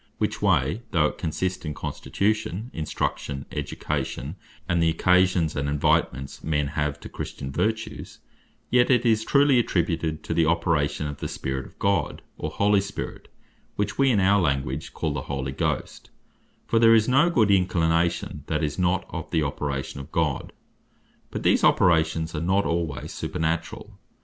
Which way, though it consist in Constitution, Instruction, Education, and the occasions and invitements men have to Christian vertues; yet it is truly attributed to the operation of the Spirit of God, or Holy Spirit (which we in our language call the Holy Ghost): For there is no good inclination, that is not of the operation of God. But these operations are not alwaies supernaturall.